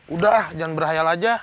udah jangan berhayal aja